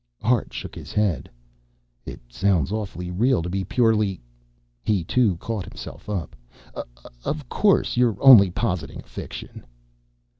Hart shook his head. "It sounds awfully real to be purely " He, too, caught himself up. "Of course, you're only positing a fiction."